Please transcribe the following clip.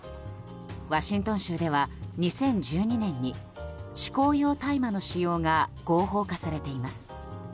ワシントン州では２０１２年に嗜好用大麻の使用が合法化されています。